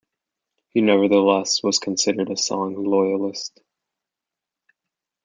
He nevertheless was considered a Song loyalist.